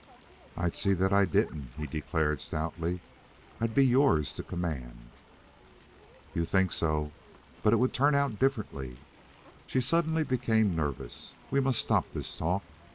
"I'd see that I didn't," he declared stoutly. "I'd be yours to command." "You think so, but it would turn out differently." She suddenly became nervous. "We must stop this talk.